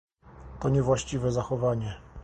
To niewłaściwe zachowanie